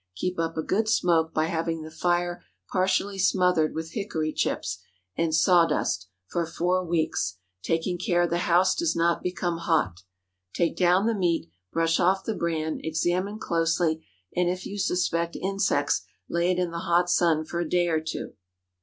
Keep up a good smoke, by having the fire partially smothered with hickory chips and saw dust, for four weeks, taking care the house does not become hot. Take down the meat, brush off the bran, examine closely, and if you suspect insects, lay it in the hot sun for a day or two.